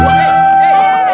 eh pak rendy